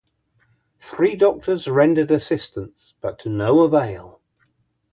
Three doctors rendered assistance, but to no avail.